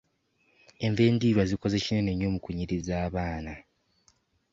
Enva endiirwa zikoze kinene nnyo mu kunyiriza abaana.